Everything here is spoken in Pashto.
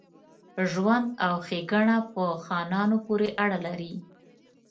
ژوند او ښېګڼه په خانانو پوري اړه لري.